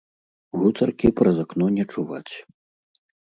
Гутаркі праз акно не чуваць.